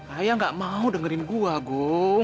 ayah nggak mau dengerin gua gu